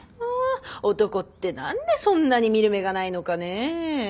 男って何でそんなに見る目がないのかね。